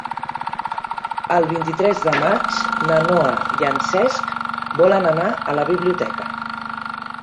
El vint-i-tres de maig na Noa i en Cesc volen anar a la biblioteca.